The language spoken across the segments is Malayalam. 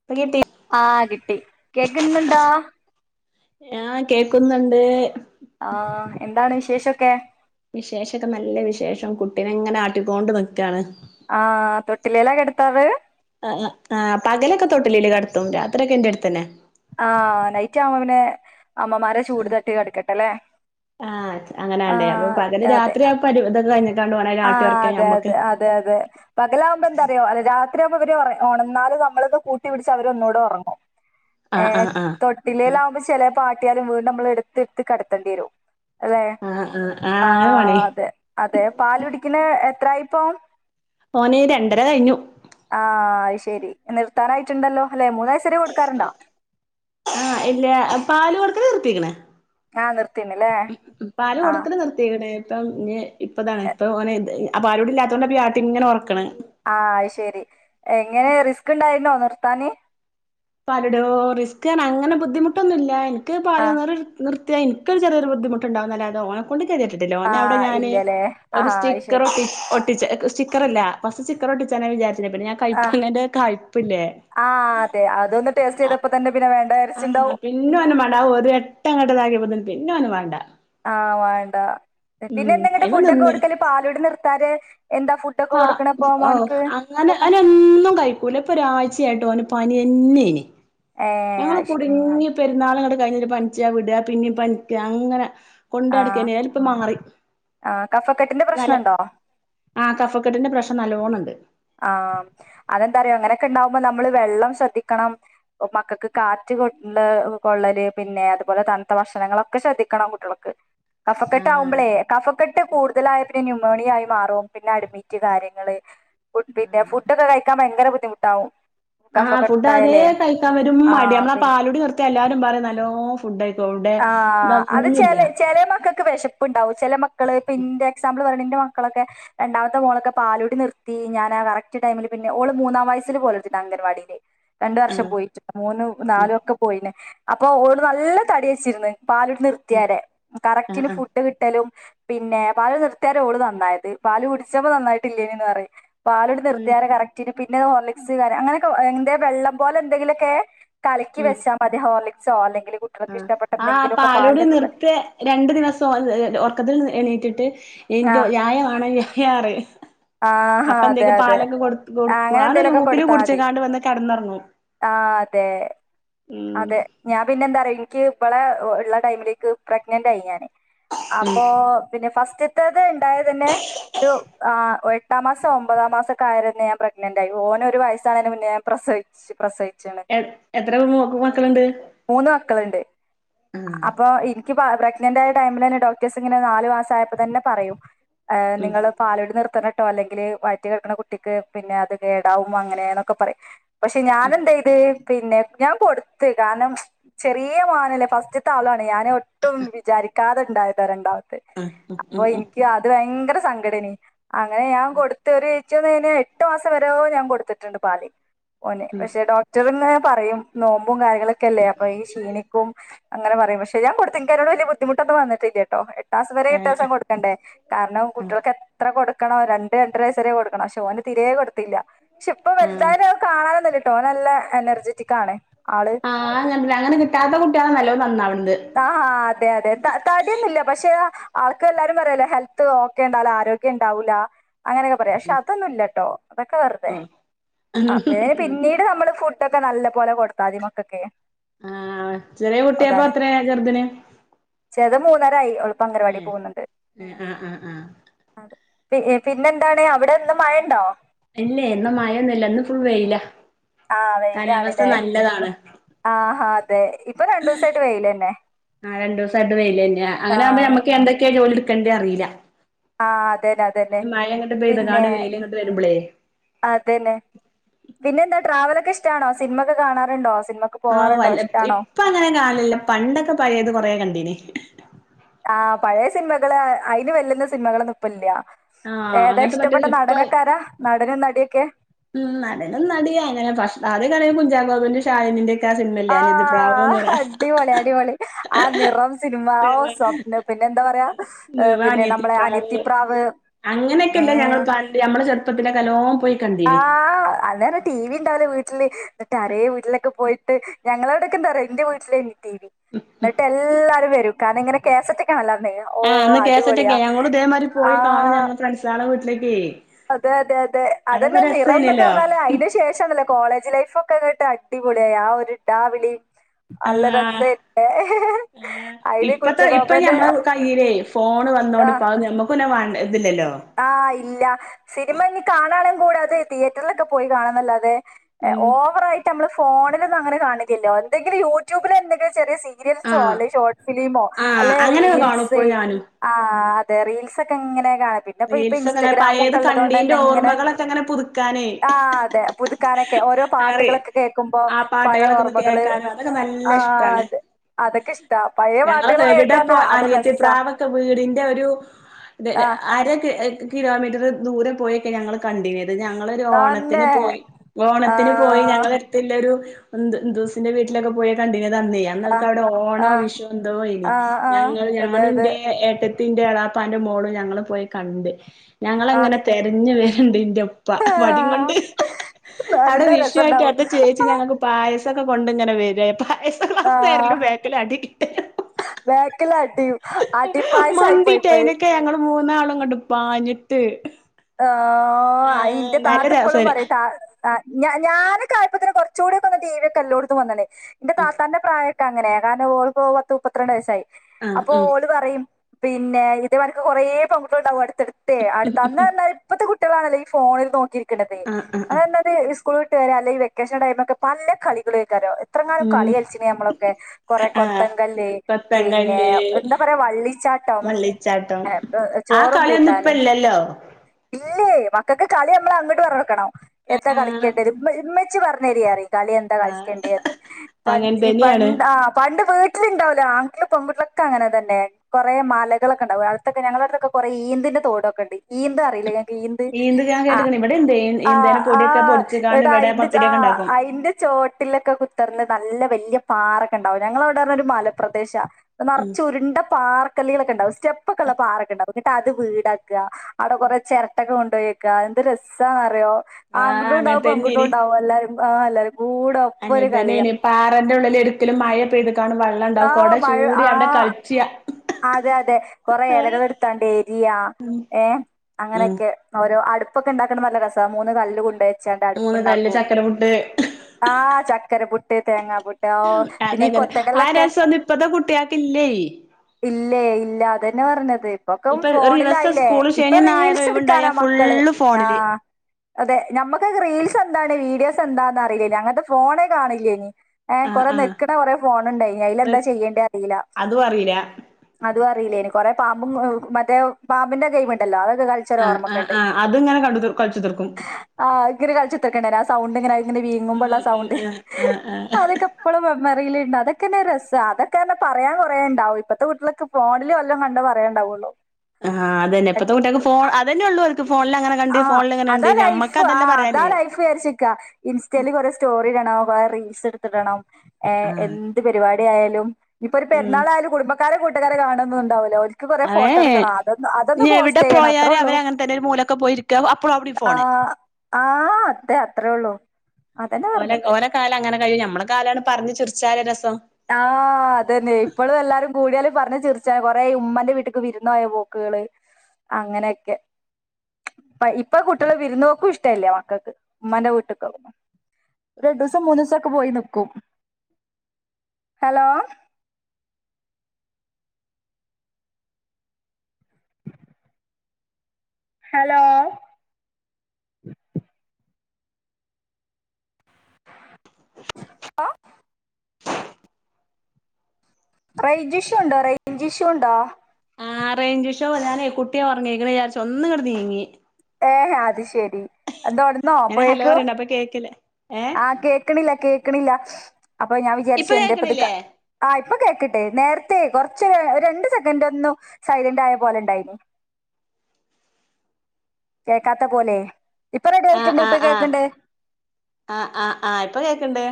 [unintelligible] ആഹ്, കിട്ടി കേക്ക്ന്ന്ണ്ടോ? ആഹ് കേക്കുന്നുണ്ട്. ആഹ് എന്താണ് വിശേഷൊക്കെ? വിശേഷൊക്കെ നല്ല വിശേഷം. കുട്ടിനെ ഇങ്ങനെ ആട്ടികൊണ്ട് നിക്കാണ്. ആഹ് തൊട്ടിലേല കെടത്താറ്. ആഹ് ആഹ് പകലൊക്കെ തൊട്ടിലി ല്കെടത്തും രാത്രിയോക്കെ എന്റെ അടുത്തന്നെ. ആഹ് നൈറ്റ് ആവുമ്മോ പിന്നെ അമ്മമാര് ആഹ് അങ്ങനാണ്ടേ അപ്പൊ ആഹ് പകല് അതെ രാത്രിയാതൊക്കെ കഴിഞ്ഞ കണ്ട് ഓനയില് ആട്ടി ആഹ് ഒറക്കെ അതെ ഞമ്മക്ക് അതെ അതെ അതെ. പകലാവകുമ്പോ എന്താറിയോ അല്ല രാത്രിയാകുമ്പോ ഇവര് ഒറെ ഒണന്നാലും അമ്മളൊക്കെ കൂട്ടിടിച്ച അവര് ഒന്നൂടെ ഒറങ്ങും. ആഹ് ഏഹ് ആഹ് ആഹ് തൊട്ടിലിലാവുമ്പോ ചെലപ്പൊ ആട്ടിയാലും വീണ്ടും നമ്മള് എടുത്ത്ടുത്ത് കടത്തണ്ടരും. അല്ലെ ആഹ് ആഹ് അങ്ങനെ പണി ആഹ് അതെ. അതെ പാലുടിക്കുന്ന എത്രായിപ്പം? ഇപോന് രണ്ടര കഴിഞ്ഞു. ആഹ് അയ് ശരി നിർത്താറായിട്ടുണ്ടല്ലോ അല്ലെ മൂന്ന് വയസരെ കൊടുക്കാറുണ്ടോ? ആഹ് ഇല്ല പാലടുക്കല് നിർതീക്ക്ണ്. ആഹ് നിർത്തിണ്ല്ലേ ഉം പാല് ആഹ് കൊടുക്കല് നിർത്തിക്കിണ്. ഇപ്പം ഇ ഇപ്പതാണ് ഇപ്പൊ ഒന് ഇത് ആ പാലുടില്ലാത്തോണ്ടപൊ ഇ ആട്ടിങ്ങനെ ഒറക്കണ്. ആഹ് അയ് ശെരി എങ്ങനെ റിസ്ക് ഇണ്ടായിന്നോ നിർത്താന്? പലടോ റിസ്ക്ന്ന അങ്ങനെ ബുദ്ധിമുട്ടൊന്നുല്ല ഇനിക്ക് പല ആഹ് നേര നിർത്തിയാ ഇൻ ക്കൊരു ചറിയരു ബുദ്ധിമുണ്ടാവുംന്നല്ലതെ ഓ നെ കൊണ്ട് കെതികെട്ടിട്ടില്ല ഓന് അവടെ ആഹ് ഞാന് ഇല്ലല്ലേ ഒരു ആഹ് അത് സ്റ്റിക്കർ ശരി ഒട്ടിച് ഒട് ട്ടിച്ച സ്റ്റിക്കറല്ല ഫസ്റ്റ് സ്റ്റിക്കറൊട്ടിചാ നാ വിചാരിചീനെ പിന്നെ ഞാൻ ആഹ് കൈപ്പങ്ങടെ കയ്പ്പില്ലേ. ആഹ് അതെ അതൊന്ന് ടേസ്റ്റ്യ്തപ്പോ തന്നെ പിന്നെ ആ വേണ്ടരിച്ചുണ്ടാവും. പിന്നെ ഒന് വേണ്ട ആഹ് ഒരട്ടങട്ട് ഇതാക്കിയേപ്പത്തന്നെ പിന്നെ ഓന് വാണ്ട. ആഹ് വേണ്ട പിന്നെ എന്തങേട്ട് അയിമ്മെ ഫുടൊക്കെ നിന്ന് കൊടുക്കല് പാലുടി നിർത്താന് എന്താ ഫു ടൊക്കെ കൊടുക്കണ പ്പൊ മോനിക്ക്. ഓന് ഓനൊന്നും കഴിക്കൂല ഇപ്പൊ ഒരാഴ്ചായിട്ട് ഓന് പനിയെന്നേന്. ഏഹ് ഞങ്ങള് അത് ശരി കുടുങ്ങി പെരുന്നാള് ഇങ്ങട്ട് കഴിഞ്ഞിട്ട് പനിച്ചാ വിട പിന്നിം പനി ക്ക അങ്ങനെ. ആഹ് കൊണ്ടടക്കേന് ഏലിപ്പം മാറി ആഹ് കഫക്കെട്ടിന്റെ നല്ല പ്രശ്നണ്ടോ? ആഹ് കഫക്കെട്ടിന്റെ പ്രശ്നം നല്ലോ ണണ്ട്. ആഹ് അതെന്താറിയോ ഇങ്ങനെക്കെ ഇണ്ടാവുമ്പോ നമ്മള് വെള്ളോം ശ്രദ്ധിക്കണം. മക്കക്ക് കാറ്റ് കൊ കൊള്ളല് പിന്നെ അതുപോലെ തണുത്ത ഭക്ഷണങ്ങളൊക്കെ ശ്രദ്ധിക്കണം. കുട്ടികൾക്ക് ആഹ് കഫക്കെട്ടാവുമ്പളേയ് കഫക്കെട്ട് കൂടുതലായ പിന്നെ ന്യൂമോണിയായി മാറും പിന്നെ അഡ്മിറ്റ് കാര്യങ്ങള്. ഫുഡിന്റെ ഫുടൊക്കെ കഴിക്കാൻ ഭയങ്കര ബുദ്ധിമുട്ടാവും. ആഹ് ഫുഡ് അതേ കഫക്കെട്ടായാലേ കഴിക്കാൻ വരും മടി ആഹ് നമ്മള ആ പിന്നെ പാലൂടി നിർത്തിയ എല്ലാരും പറിം നല്ലോം ഫുഡയിക്കും എവ്ടെ ആഹ് അത് ചെലെ ചെലെ മക്കക്ക് വെഷപ് പ് ഇണ്ടാവും ചെല മക്കള് ഇപ്പൊ ന്റെ എക്സാമ്പിൾ പരണന്റെ മക്കളൊക്കെ രണ്ടാമത്തെ മോളൊക്കെ പാലൂടി നിർത്തി ഞാൻ ആ കറക്റ്റ് ടൈമില് പിന്നെ ഓള് മൂന്നാം വയസ്സില് പോലെടത്തി അംഗൻവാടിക്ക്. രണ്ട് വർഷം ആഹ് പോയിറ്റ്ണ്ട് മൂന്നും ഉം നാലും ഒക്കെ പോയിന് അപ്പൊ ഓള് നല്ല തടിവെ ചിരിന്ന് പാലുടി നിർത്തിയാരെ കറക്റ്റിന് ഫു ഡ് കിട്ടലും പിന്നെ പാലുടി നിർതേരാ ഓള് നന്നായത് പാല് കുടിച്ചപ്പോ നന്നായിട്ടില്ലേനന്ന് പറിം. പാലോട് ഉം നിർത്തിയെ കറക്റ്റിന് പിന്നെ ഹോർലിക്സ് കാര്യ അങ്ങനൊക്കെ എന്തേലും വെള്ളം പോലെ എന്തെങ്കിലൊക്കെ. കലക്കി വച്ചാ മതി ഹോർളിക്സൊ അല്ലെങ്കില് കുട്ടികൾക്ക്ഷ് ഉം ആഹ് പാലുടി നിർത്തെ രണ്ടു ദിവസം ഒർ ഒർക്കത്തിൽ എണീറ്റിട്ട് ഇൻക്ക് യായമാണ് യായാറിം. ആഹ് അതെ അതെ കൊടുക്കും അങ്ങനെ അതൊരു എന്തേലൊക്കെ ഊക്കില് കൊടുത്താ മതി. കുടിച്ച്കാണ്ട് വന്ന് കെടന്നൊറങ്ങും ആഹ് അതെ ഉം അതെ. ഞാൻ പിന്നെ എന്താ പറേ എനിക്ക് ഇവളെ ഉള്ള ടൈമിലേക്ക് പ്രഗ്നന്റ് ആയി ഞാന് അപ്പൊ പിന്നെ ഫസ്റ്റത്തത് ഇണ്ടായ തന്നെ ഒരു ആ എട്ടാം മാസം ഒമ്പതാ മാസൊക്കായേരെന്നേ ഞാൻ പ്രെഗ്നന്റായിയി ഓനെ ഒരു വയസ്സാണേന് മുന്നേ ഞാൻ പ്രസവച്ച് പ്രസവിച് എ എത്ര മക്കളുണ്ട്? മൂന്ന മക്കളുണ്ട്, ആഹ് അപ്പോ എനിക്ക്- പ്രഗ്നന്റ് ആയ ടൈമിൽ തന്നെ- ഡോക്ടേഴ്സ് ഇങ്ങനെ നാല് മാസ ആയപ്പോ തന്നെ പറയും ഉം നിങ്ങൾ- പാലോടി നിർത്തണം കേട്ടോ? അല്ലെങ്കിൽ വറ്റി കിടക്കണ കുട്ടിക്ക് പിന്നെ അത് കേടാവും, അങ്ങനെ- എന്നൊക്കെ പറയും പക്ഷെ ഞൻ എന്തേയ്ത്, പിന്നെ ഞാൻ കൊടുത്ത് കാരണം, ചെറിയ മാനല്ലേ ഫസ്റ്റ്ത്തെ ആളാണ്, ഞാന ഒട്ടും വിചാരിക്കാത ഉണ്ടായത് രണ്ടാമത്തെ. ആ ഉ ഉ അപ്പൊ ഉ.. എനിക്ക് അത് ഭയങ്കര സംഘഡെന്. അങ്ങനെ ഞാൻ കൊടുത്ത് ഒരു- ഏച്ച കഴി എട്ട് മാസം വരോ ഞാൻ കൊടുത്തിട്ടുണ്ട് പാൽ. ഓനെ ഉം പക്ഷെ ഡോക്ടർനെ പറയും, നോമ്പും കാര്യങ്ങളൊക്കെല്ലേ? അപ്പോ ഈ ക്ഷീണിക്കും. അങ്ങനെ പറയും പക്ഷെ ഞാൻ - കൊടുക്കാരനോ വിയ- ബുദ്ധിമുട്ടൊന്ന വന്നിട്ടില്ല കേട്ടോ? എട്ട് മാസം വരെ കൊടുക്കണ്ടേ. കാരണം ഉം കുട്ടികൾക്ക് എത്ര കൊടുക്കണം കാരണം. രണ്ട്, രണ്ടര വയസ്സരെ കൊടുക്കണം ക്ഷോന്- തിരെ കൊടുത്തില്ല. പക്ഷെ ഇപ്പോ ആഹ് വല്ലതും- കാണാനൊന്നല്ലട്ടോ, നല്ല എനർജെറ്റിക് ആണ് ആള്. ആഹ് അങ്ങന അങ്ങനെ കിട്ടാത്ത- കുട്ടിയാണ് നല്ലോതുപെലെ നന്നാവുന്നത്. ആഹാ, ആഹാ, അതെ, അതെ, തടിയൊന്നില്ല പക്ഷെ, ആൾക്ക് എല്ലാരും പറയല്ലേ, ഹെൽത്ത് ഓക്കെ ഉണ്ടാവൂല, ആരോഗ്യം ഉണ്ടാവൂല്ല അങ്ങനെ. പക്ഷെ അതൊന്നുംല്ലട്ടോ- അതൊക്കെ വെറുതെ അ പിന്നീട് നമ്മൾ- കുട്ടൊക്കെ നല്ല പോലെ കൊടുത്താ ആതിമക്കൊക്കെ. ആഹാ ചെറിയ കുട്ടിയപ്പ അത്രയാ? ചെറുതിനു? ചെർഇതിനു മൂന്നരായി, എളുപ്പം അംഗവാടി പോകുന്നത്. ഏഹ് ഉം ആഹ് ആഹ് ആഹ് അതെ പി പിന്നെ എന്താണ് അവിടെ ഒന്ന് മഴ ഉണ്ടോ? ഇല്ലേ ഇന്ന് മഴന്നുമില്ല, ഇന്ന് ഫുൾ വെയില. ആഹ വെയിലാണല്ലേ, ആഹാ അതെ ഇപ്പൊ രണ്ടു ദിവസായിട്ട് വെൽ തന്നെ. ആ രണ്ട ദിവസമായിട്ട് വയിേന്നെ അങ്ങനെ ആക്പോ നമ്മുക്ക് എന്തൊെയ ജോലി എടുക്കണ്ടേ അറിയില്ല. ആഹ് അതെന്നെ അതെ. മഴങ്ങട്ട് പെയ്താ കാാണ് വയിലൽ അങ്ങട്ട് വരുമ്പോളേ അതെന്നെ പിന്നെ എന്താ? ട്രാവലൊക്കെ ഇഷ്ടമാണോ? സിനിമ ഒക്കെ കാണാറുണ്ടോ? സിനിമ- ക്ക്‌ പോവാറുണ്ടോ ഇഷ്ടാണോ? ഇപ്പോ അങ്ങനെ കാലില്ല, പണ്ടൊക്കെ പഴയത് കൊറേ കണ്ടീന്. ആഹ് പഴയ സിനിമകള്, അയിന്- വല്ലുന്ന സിനിമകളോന്ന ഇപ്പം ഇല്ല. ആഹ് ഏതാ അങ്ങനത്തെ ഇഷ്ടപ്പെട്ട മറ്റേത് ഇപ്പ നടൻ? ആരാ നടനും നടിയൊക്കെ? ഉം നടനും നടിയാ അങ്ങനെ പക്ഷ- അത് കള കുഞ്ചാഗോബിന്റെ, ഷായനിന്റെ- സിമല്ലന് എന്ത്അനിയത്തി പ്രാവുന്ന് പറ- അടിപളി, അടിപളി. ആ നിറം സിനിമ, സ്വപ്ന പിന്നെ എന്താ പറയാ പിന്നെ നമ്മളുടെ അനത്തിപാവ്, അങ്ങനെയൊക്കെല്ല ഞങ്ങൾ പ- നമ്മള ചെുപ്പത്തിന്റെ കലോം പോയി. കണ്ടീനി ആഹ് അന്നേര. ടി വിണ്ടാവല്ലോ വീട്ടില് എന്നിട്ട് അരേ വീട്ടിലൊക്കെ പോയിട്ട്, ഞങ്ങളവിടൊക്കെന്താറോ എന്റെ വീട്ടിലേീ ടി. വി. എന്നിട്ട് എല്ലാരും വരും കാരണം, ഇങ്ങനെ കേസറ്റക്കാണല്ലാന്ന ഓ അടിപൊളിയാ. അതേമാതി പോയി കാണ ആഹ് ഞങ്ങള ഫ്രണ്ട്സ ആളെ വീട്ടിലേക്ക്. അതെ, അതെ, അതെ, അതൊക്കെ അതന്നെ. ഒരു നിറം എന്നൊക്കെ രസേനല്ലോ പറഞ്ഞാല് അതിന് ശേഷംല്ല. കോളേജ് ലൈഫ ഒക്കെ കേട്ട് അടിപൊളിയായി, ആ ഒരു ടാ വിളി. അല്ല രസ ആഹ് ഇണ്ട്. ആഹ് ഇപ്പത്തെ ഇപ്പ ഞമ്മള കയ്യിലേ- ഫോണ് വന്നോണ്ട് ഇപ്പ ഞമ്മക്ക്ന്നെ വ ഇതില്ലല്ലോ. ആഹ ഇല്ല സിനിമ ഇനിനി കാണാനും കൂടാതെ- തിയേറ്ററിലൊക്കെ പോയി- കാണാനല്ലാതെ. ഉം ഓവറ ആയിട്ട് നമ്മള് ഫോണൊന്നും അങ്ങനെ കാണിക്കില്ലല്ല, എന്തെങ്കിലും യൂട്യൂബില്- എന്തെങ്കിലും ചെറിയ. സീരിയൽസോ, ആഹ് അല്ലെ ഷോർട്ട് ഫിലിമോ, ആഹ് അല്ലെ അങ്ങനെയൊക്കെ കാണും റീൽസ്. ഇപ്പളും ഞാനും ആഹ് അതെ റീൽസൊക്കെ ഇങ്ങനെ കാണല്. ന്നപ്പ ഇപ്പ റീൽസ് അങ്ങനെ പഴയത് ഇൻസ്റ്റഗ്രാമൊക്ക ഇള്ളതൊണ്ടന്നെ കണ്ടീന്റെ ഇങ്ങനെ ഓർമ്മകളൊക്കെ അങ്ങനെ പുതുക്കാനേ ആഹ്, അതെ പുത്- ക്കാനൊക്കെ ഓരോ ആ പാട്ടുകളൊക്കെ കേക്കുമ്പോ, ആ പഴയ പാട്ടുകളൊക്കെ ഒന്ന് ഓർമ്മകള് കേക്കാനും അതൊക്കെ ആഹ്, നല്ല ആഹ്, ഇഷ്ടാണ് അതെ. അതൊക്കെഷ്ട പയെ പാട്ടുകള് ഞങ്ങളൊക്കെ എവിടെപ്പോ കേക്കർന്നാ അതൊരസ്സാ ത് ര് അര കി ഏക് കിലോമീറ്ററ് ദൂരെ പോയൊക്കെ ഞങ്ങള് കണ്ടിന്യ ത് ഞങ്ങളൊര് ഓണത്തിന് തന്നെ പോയി ഓണത്തിന് പോയി ആഹ് ഞങ്ങള്. ത്തിൻ്റൊരു ന്ത് ഇന്തുസിന്റെ വീട്ടിലൊക്ക പോയെ കണ്ടിന്യത് അന്നേ. ആഹ് ങ്ങൾക്കവടെ ഓണോ ആഹ് വിഷോ എന്തോ ഏനി ആഹ് ആഹ് ഞങ്ങൾ അതെ ഞാനു അതെ ന്റെ ഏട്ട ത്തിന്റെ എളാപ്പാന്റെ മോളും ഞങ്ങള് പോയി കണ്ട് ഞങ്ങളെ ങ്ങനെ ആഹ് തെരഞ്ഞ് വെര്ണ്ട് ഇന്റെ പ്പ ഹാ വടി കൊണ്ട് അടെ നല്ല വിഷു ആയ്ട്ട് രസണ്ടാവും അവ്ട്ത്തെ ചേച്ചി ഞങ്ങക്ക്. പായസൊക്ക കൊണ്ട്ങ്ങനെ വര്യ പായസ ഗ്ലാസ്സ് തര്ലും ബാക്കില് അടി കിട്ടലും. ബേക്കിലടിം അടി പായസായ് പോയിപ്പഹ്. ക്കെ ഞങ്ങള് മൂന്നാളു ങ്ങട് പാഞ്ട്ട് ഏഹ് അയിന്റെ താത്ത പ്പളും രസേന് പറിം താ ആഹ് ഞ ഞാനൊക്കായപ്പത്തെനു കൊർച്ചൂട്യൊക്കെന്ന് ടി വി ക്കെല്ലോടുത്തു വന്ന്ണ് ന്റെ താത്താന്റെ പ്രായ ക്കങ്ങനെ കാരണ ഓള്പ്പൊ പത്ത് മുപ്പത്ത്രണ്ട് വയസായി ആഹ് അപ്പൊ ആഹ് ഓള് പറയിം. പിന്നെ ഇത് വരക്ക് കൊറേ പെങ്കുട്ട്യോള് ണ്ടാവും അട്ത്തട്ത്തെ അടുത്ത് അന്ന്. അത് ഇപ്പത്തെ കുട്ട്യളാണല്ലോ ഈ ഫോണിൽ നോക്കിയിര്ക്ക്ണത് ആഹ് ആഹ് അ ആഹ് എന്നന് ഇസ് കൂൾട്ട് വരാ അലെങ്കി വെക്കേഷൻ ടൈമൊക്കെ പല കളികളൊയ്ക്കാരം. ത്രങ്ങാനും കളി ഉം കൾച്ച്ണ് ഞമ്മളൊക്കെ കൊറെ ആഹ് കൊത്തങ്കല്ല് പിന്നെ കൊത്തങ്കല്ല് എന്താ പറയാ വള്ളിച്ചാ ട്ടം വള്ളിച്ചാട്ടം ഏഹ് പ്പ്‌ ആ ചോറും കളിയൊന്നും ഇപ്പ കൂട്ടാനും. ഇല്ലല്ലോ ഇല്ലയ് മക്കക്ക് കളി ഞമ്മള് അങ്ങട്ട് പർഞൊട്ക്കണം എത്താ കളിക്ക്യണ്ടത് മ്മ ഇമ്മച്ചി പറഞ്ഞരീ അറിം. കളി എന്താ ആഹ് കൾചണ്ട്യേന്ന് പ അങ്ങനെ ഈ പ തന്നെയാണ് ആ പണ്ട് വ് ട്ട്ല് ണ്ടോല്ലോ ആങ്കുട്ട്യളും പെങ്കുട്ട്യളും ഒക്ക അങ്ങന തന്നെ. കൊറേ മലകളൊക്കണ്ടാവും അടുത്തൊക്ക ഞങ്ങളട്ത്തൊക്ക കൊറേ ഈന്തിന്റെ തോടൊക്കണ്ട് ഈ ന്തറിയിലെ ങ്ങക്ക് ഈന്ത് ഞാൻ ആഹ് കേട്ട്ക്ക്ണ് ഇവിടെ ഇണ്ട് ആഹ് ഈന്തേനെ പൊടിയൊക്കെ ആഹ് പൊടിച്ച്ക്കാണ്ട് എടാ ഇവിടെ അയിന്റെ ചാ പത്തിരിയൊക്കെ ഇണ്ടാക്കും അയിന്റെ. ചോട്ടിലൊക്ക കു ത്തർന്ന് നല്ല വല്ല്യ പാറക്കണ്ടാവും ഞങ്ങളവ്ടെ അർഞ്ഞ ഒരു മലപ്രദേശ ഉം നർച്ച് ഉരുണ്ട പാറ കല്ലികളൊക്കണ്ടാവും സ്റ്റെപ്പൊക്കള്ള പാറക്കെണ്ടാവും ന്നിട്ട് അത് വീടാക്ക അടെ കൊറേ ചെരട്ടക്കെ കൊണ്ടോയി. ക്ക എന്ത് രസാന്നറിയോ ആഹ് ആങ്കുട്ട്യോളു അങ്ങനെ ണ്ടാവും തന്നേനി പെങ്കുട്ട്യോളു ണ്ടാവും എല്ലാരും ആഹ് എല്ലാരും കൂട അങ്ങൻ തന്നെണ് പാറന്റുള്ളില് ഇട്ക്കിലും മയ പെയ്ത് ക്കാണ് വള്ളണ്ടാവും കൊട ആഹ് മഴ ചൂടി അവ്ടെ ആഹ് കൾച്ച്യ. അതെ അതെ കൊറെ എലകള്ട്ത്താണ്ട് എരിയ ഏഹ് ഉം അങ്ങനെയൊക്കെ. ഓരോ അടുപ്പൊക്കെ ണ്ടാക്കണ് നല്ല രസാ മൂന്ന് കല്ല് കൊണ്ടെ വെച്ചാണ്ട് മൂന്ന് കല്ല് അടുപ്പ്‌ണ്ടാക്കും. ചക്കര പുട്ട് ആഹ് ചക്കര പുട്ട് തേങ്ങാ പുട്ട് ഓഹ് പിന്നെ ഈ കൊത്തകല്ല് ത്തൊന്നു ഇപ്പത്തെ കുട്ട്യാക്കില്ലയ്. ഇല്ലേ ഇല്ല അതന്നെ ഉം പറഞ്ഞത് ഇപ്പൊക്കെ ഇപ്പഹ് ഒരു ദിവസ ഫോണിലായില്ലേ സ്കൂള് ഇപ്പൊ ശനിം ന്നായറും ഒയ്വ്ണ്ടായ ഫുള്ളു ഫോണില്. അഹ്. അതെ ഞമ്മക്കൊക്ക റീൽസ് എന്താണ് വീഡിയോസ് എന്താന്നറിയിലേനി അങ്ങൻത്തെ ഫോണെ കാണില്ലേനി. ഏഹ് ആഹ് കൊറേ ആഹ് നെക്ക്ണ കൊറേ ഫോണ് ണ്ടായിനി അയിലെന്താ ചെയ്യണ്ടെ അറിയില. അതും അറിയില്ല അതു അറിലേനി കൊറേ പാമ്പും എഹ് മറ്റേ പാമ്പിന്റെ ഗെയിമ്ണ്ടല്ലോ അതൊക്കെ കൾ ആഹ് ആഹ് ആഹ് അത് ങ്ങനെ കണ്ടുതർ കൾച്ചുത്തർക്കും. ആഹ് അഹ്ങ്ങനെ കൾച്ച്ത്തെർക്കണല്ലേ ആ സൗണ്ട്ങ്ങനെ അഹ് ഇങ്ങനെ ഉം വീങ്ങുമ്പള്ള ഉം സൗണ്ട് ആഹ് ആഹ് ആഹ് അതൊക്ക. പ്പളും മെമ്മറിലിണ്ടത ക്കെന്നെ രസാ അതൊക്കെർഞ്ഞ പറയാ കൊറേണ്ടാവും ഇപ്പത്തെ കുട്ട്യള്ക്ക് ഫോണില് വല്ലോം കണ്ട പറയാണ്ടാവുള്ളു. ആഹ് അതന്നെ ഇപ്പത്തെ കുട്ട്യൾക്ക് ഫോ അതന്നെള്ളൂ ഓൽക്ക് ഫോൺലങ്ങനെ കണ്ട് ഫോൺല് ങ്ങനെണ്ട് ഞമ്മക്ക് അതല്ല പറയാലേ. പേട്ച്ച്ക്ക ഇൻസ്റ്റേല് കൊറേ സ്റ്റോറിടണം കൊറേ റീൽസ്ട്ത്ത്ടണം. ഏഹ് ആഹ് എന്ത് പരിവ്യാട്യായാലും ഞ്പ്പൊര് ഉം പെര്ന്നാളായാലും കുടുംബക്കാരെ കൂട്ടകാരെ കാണൊന്നുണ്ടാവുല ഓൽ ക്ക് കൊറെ ഏഹ് ഫോട്ടട്ക്കണം അതൊ അതൊന്ന് പോസ്റ്റയ്യണം അത്രൊള്ളൂ. ത്തന് മൂലക്ക പോയിരി ക്ക അപ്പളു അവുടി ആഹ്. ആഹ് അതേ അത്രേ ഉള്ളു. ഓല ഓലകാലങ്ങനെ കയും ഞമ്മളെ കാലാണ് പർഞ്ഞ് ചിർച്ചാല് രെസം. ആഹ് അതന്നെ ഇപ്പളുഎല്ലാരും കൂട്യാല് പറഞ്ഞ് ചിർച്ച കൊറെയി ഉമ്മന്റെ വീട്ടിക്ക് വിരുന്നോയ പോക്ക്കള് അങ്ങനെയൊക്കെ പ്പ ഇപ്പൊ കുട്ട്യള് വിരുന്നോക്കും ഇഷ്ടല്ല്യ മക്കക്ക് ഉമ്മാന്റെ വീട്ട്ക്കൊന്നും രണ്ടൂസം മൂന്നുസൊക്കെ പോയി നിക്കും. ഹലോ? ഹെലോ? ആഹ് റെയ്ഞ്ചിഷുണ്ടോ റെയ്ഞ്ചിഷ്യുണ്ടോ? ആഹ് റേഞ്ചിഷ്യൂ ഞാനെ കുട്ടി ഒർങ്ങീക്ക്ണ്ചാര്ച്ച് ഒന്ന്ങ്ങട്ട് നീങ്ങി. ഏഹെ അത് ശെരി. എന്തോണന്നോപ്പഴേക്കും. പ്പ കേക്കല്ലേ ആഹ്, കേക്ക്ണില്ല, കേക്ക്ണില്ല അപ്പൊ ഞാൻ വിചാരിച്ച് ഇപ്പൊ എന്തേപ്പത് ക കേക്കണില്ലേ ആഹ് ഇപ്പൊ കേക്ക്ണ്ട്. നേര്ത്തെയ് കൊർച്ച് രു രണ്ട് സെക്കന്റൊന്നും സൈലന്റായപോലെണ്ടയ്നി. കേക്കാത്ത പോലെ, ഇപ്പൊ റെഡി ആയിറ്റ്ണ്ട് ഇപ്പൊ കേക്ക്ണ്ട്. ആഹ്, ആഹ്, ആഹ്. ഇപ്പൊ കേക്ക്ണ്ട്.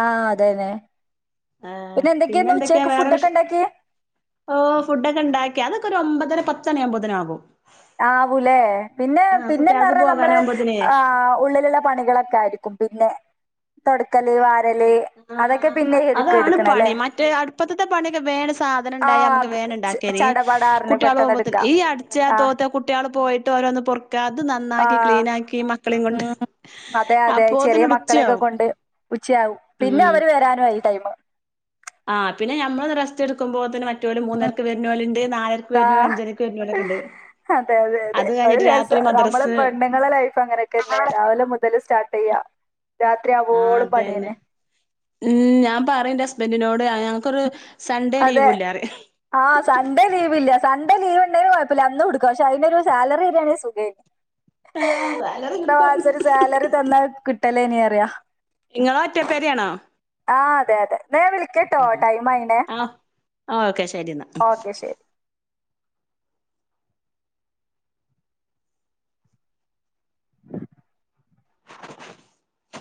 ആഹ്, അതെന്നെ ആഹ്, പിന്നെന്തൊക്ക്യാ വേറെ ഫുഡൊക്കെ വിഷ് ഉണ്ടാക്കിയെ ഓഹ്, ഫുഡൊക്കെണ്ടാക്കി അതൊക്കൊരൊമ്പതര പത്തണ്യാവുമ്പോതിനാകും. ആവൂലേ. പിന്നെ കുട്ടികൾക്ക് പിന്നെന്നർഞ്ഞാ നമ്മള് പോകാനാകുമ്പോത്തിനേ ആഹ് ഉള്ളിലുള്ള പണികളെ ആയിരിക്കും പിന്നെ തൊടക്കല്, വാരല് അതൊക്കെ പിന്നെ [unintelligible] എടുക്ക അതാണ് എടുക്കണല്ലേ പണി മറ്റേ അടുപ്പത്ത്ത്തെ പണിക്കെ വേണ്ട് സാധനംണ്ടായ അമ്മക്ക് ആഹ് വേണ്ട്ണ്ടാ ഏനി ചടപടാറിന് കുട്ട്യാള് പെട്ടെന്ന് പോവുമ്പോത്തിന് എടുക്കാം ഈ അട് ട്‌ച്ചാ ആഹ് തോത്ത കുട്ട്യാള്പോയിട്ട് ഓരോന്നും പൊർക്കാ ത് നന്നാക്കി ആഹ് ക്ലീനാക്കി മക്കളിംകൊണ്ട് ഉം അതെ അതെ ചെറിയ മക്കളെയൊക്കെ അപ്പോത്തിനൊടുച്ച്യാവും. കൊണ്ട് ഉച്ചയാവും പിന്നെ അവര് വെരാനു ആയി ടൈമ്. ആഹ്, പിന്നെ ഞമ്മളൊന്ന് റെസ്റ്റെടുക്കുമ്പോത്തിനും മ മറ്റോല് മൂന്നര്ക്ക് വെര്നോല്ണ്ട്, നാലെര്ക്ക് വെര്‌നോല് അഞ്ചരക്ക് വെര്നോലൊക്കെണ്ട്. ഹതെ, അതെ അതെ ഒരു ദെവസം നമ്മള് പെണ്ണ്ങ്ങളെ ലൈഫ് അങ്ങനെയൊക്കെന്നെ രാവിലെ മുതൽ സ്റ്റാർട്ടെയ്യാ രാത്രി ആഹ് ആവോളും അതന്നെ പണ്യേന്നെ. ഉം, ഞാംപറിം ന്റെ ഹസ്ബൻഡിനോട് ഞ ഞങ്ങക്കൊരു സൺഡേ ലീവൂല്ല റിം. ആഹ് സൺഡേ ലീവില്യ. സൺഡേ ലീവ്ണ്ടെയ്ലും കൊയപല്ല്യ, അന്നൂട്ക്ക ഷെ അയ്നൊരു സാലറിരാണേ സുഖേനി. ആഹ് സാലറി കിട്ടും ഇത്രമാസൊരു സാലറി തന്നാ കിട്ടലേനീറ്യ ഇങ്ങള് ഒറ്റപ്പെരയാണോ ആഹ്, അതെ അതെ ന്നാ ഞാൻ വിളിയ്ക്കട്ടോ ടൈമായിണെ. ആഹ് ഓക്കെ ശെരിന്നാ. ശരി [unintelligible]